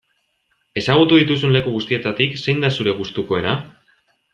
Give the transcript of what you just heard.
Ezagutu dituzun leku guztietatik zein da zure gustukoena?